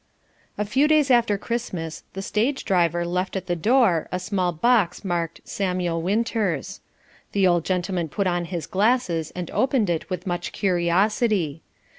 A few days after Christmas the stage driver left at the door a small box marked "Samuel Winters." The old gentleman put on his glasses and opened it with much curiosity.